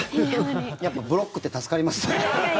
やっぱブロックって助かります。